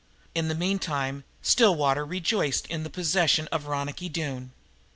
In the meantime Stillwater rejoiced in its possession of Ronicky Doone.